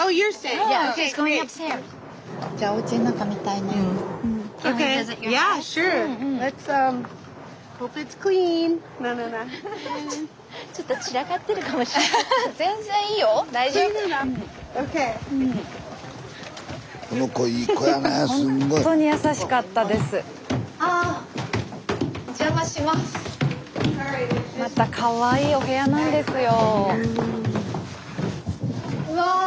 スタジオまたかわいいお部屋なんですよ。